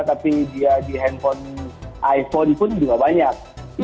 tapi dia di handphone iphone pun juga banyak